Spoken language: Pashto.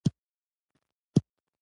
که ګاونډي سره اختلاف وي، صلح غوره ده